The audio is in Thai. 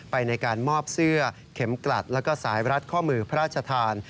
ในการมอบเสื้อเข็มกลัดแล้วก็สายรัดข้อมือพระราชทาน